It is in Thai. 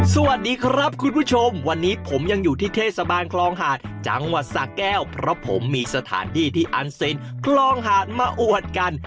สวัสดีครับคุณผู้ชมวันนี้ผมยังอยู่ที่เทศบาลคลองหาดจังหวัดสะแก้วเพราะผมมีสถานที่ที่อันเซ็นคลองหาดมาอวดกัน